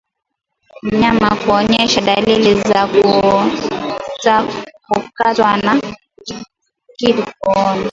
Mnyama kuonyesha dalili za kukatwa na kitu kooni